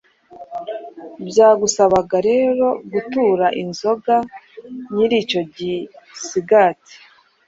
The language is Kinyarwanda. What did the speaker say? Byagusabaga rero gutura inzoga nyiri icyo gisigati